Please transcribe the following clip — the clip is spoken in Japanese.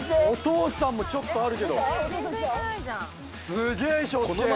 お父さんもちょっとあるけどすげぇ渚介。